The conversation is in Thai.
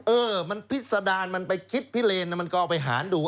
เออมันพิษดารมันไปคิดพิเลนมันก็เอาไปหารดู